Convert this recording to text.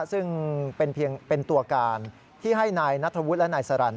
ซึ่งเป็นเพียงตัวการที่ให้นายนัทธวุฒิและนายสรรค